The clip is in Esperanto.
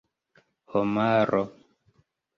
homaro